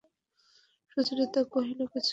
সুচরিতা কহিল, কিছুমাত্র না।